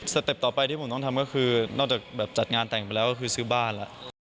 เต็ปต่อไปที่ผมต้องทำก็คือนอกจากแบบจัดงานแต่งไปแล้วก็คือซื้อบ้านแล้ว